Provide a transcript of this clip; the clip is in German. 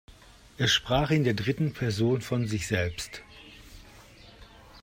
Er sprach in der dritten Person von sich selbst.